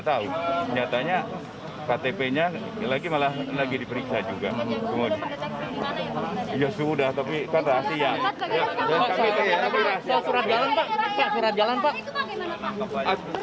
tahu ini nyatanya ktp nya lagi malah lagi diperiksa juga ya sudah tapi kata siang